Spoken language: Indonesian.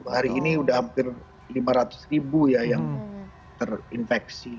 hari ini sudah hampir lima ratus ribu ya yang terinfeksi